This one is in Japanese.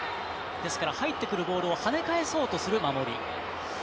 入ってくるボールを跳ね返そうとする守り。